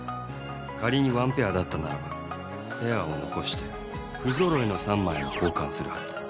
仮に１ペアだったならばペアを残して不揃いの３枚を交換するはずだ。